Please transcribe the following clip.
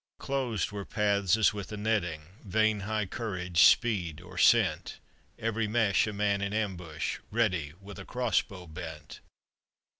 Closed were paths as with a netting, Vain high courage, speed or scent; Every mesh a man in ambush Ready, with a cross bow bent.